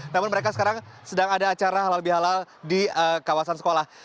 namun mereka sekarang sedang ada acara halal bihalal di kawasan sekolah